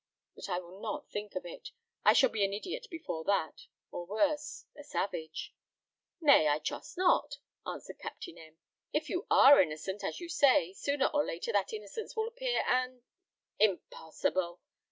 But I will not think of it. I shall be an idiot before that, or worse, a savage." "Nay, I trust not," answered Captain M . "If you are innocent, as you say, sooner or later that innocence will appear, and " "Impossible!"